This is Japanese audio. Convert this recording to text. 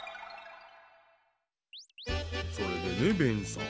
それでねベンさん。